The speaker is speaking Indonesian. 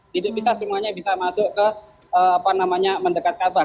tidak semuanya bisa masuk ke apa namanya mendekat kabah